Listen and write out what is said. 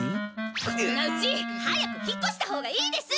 このうち早く引っこしたほうがいいです！